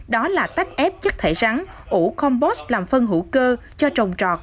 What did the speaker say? đó là tách ép chất thải rắn ủ compost làm phân hữu cơ cho trồng trọt